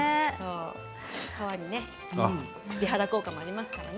皮に美肌効果もありますからね。